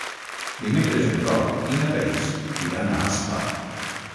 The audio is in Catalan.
Dimecres en Roc i na Thaís iran a Aspa.